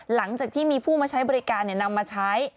หลังจากที่มีผู้มาใช้บริการนำมาใช้